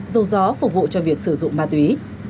dầu gió phục vụ cho việc sử dụng ma túy